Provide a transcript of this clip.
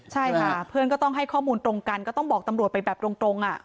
ใช่ค่ะเพื่อนก็ต้องให้ข้อมูลตรงกันก็ต้องบอกตำรวจไปแบบตรง